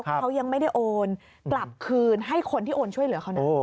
เขายังไม่ได้โอนกลับคืนให้คนที่โอนช่วยเหลือเขานะ